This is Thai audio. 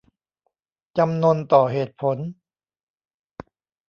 จำนนต่อเหตุผล